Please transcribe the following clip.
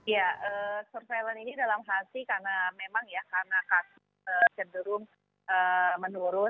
ya surveillance ini dalam hati karena memang ya karena kasus cenderung menurun